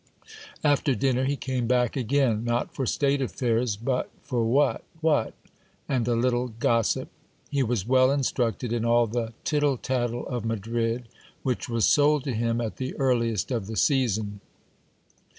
After dinner he came back again ; not for state affairs, but for what, what? and a little gossip. He was well instructed in all the titde tattle of Madrid, which was sold to him at the earliest of the season.